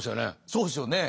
そうですよね。